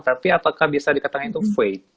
tapi apakah bisa dikatakan itu faid